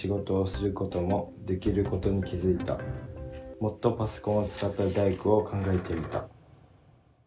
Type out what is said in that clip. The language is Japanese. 「もっとパソコンを使った大工を考えてみたい」。